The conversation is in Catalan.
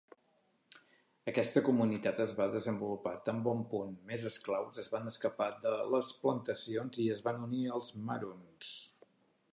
Aquesta comunitat es va desenvolupar tan bon punt més esclaus es van escapar de les plantacions i es van unir als Maroons.